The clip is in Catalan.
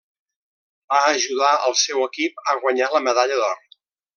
Va ajudar al seu equip a guanyar la medalla d'or.